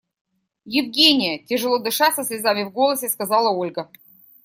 – Евгения! – тяжело дыша, со слезами в голосе сказала Ольга.